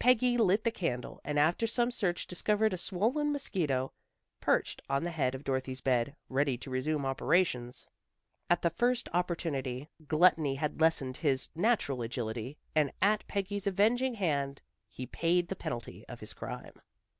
Peggy lit the candle and after some search discovered a swollen mosquito, perched on the head of Dorothy's bed, ready to resume operations at the first opportunity. Gluttony had lessened his natural agility, and at Peggy's avenging hand he paid the penalty of his crime.